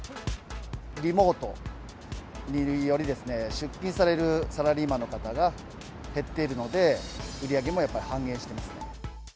リモートによりですね、出勤されるサラリーマンの方が減っているので、売り上げもやっぱり半減していますね。